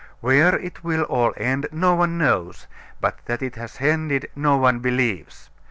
Where it will all end no one knows, but that it has ended no one believes.